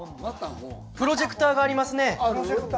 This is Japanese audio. プロジェクターがありますね。